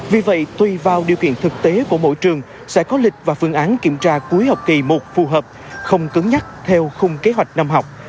vì vậy tùy vào điều kiện thực tế của mỗi trường sẽ có lịch và phương án kiểm tra cuối học kỳ một phù hợp không cứng nhắc theo khung kế hoạch năm học